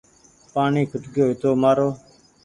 پآڻيٚ کٽگيو هيتومآرو